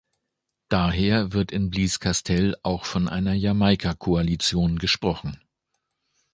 Daher wird in Blieskastel auch von einer Jamaika-Koalition gesprochen.